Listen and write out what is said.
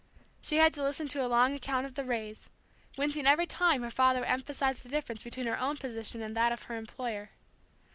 She had to listen to a long account of the "raise," wincing every time her father emphasized the difference between her own position and that of her employer.